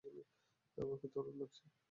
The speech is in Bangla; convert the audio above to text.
আমাকে তরুণ লাগছে।